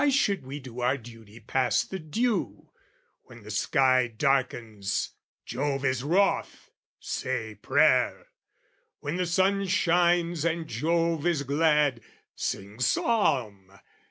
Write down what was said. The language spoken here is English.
Why should we do our duty past the due? When the sky darkens, Jove is wroth, say prayer! When the sun shines and Jove is glad, sing psalm!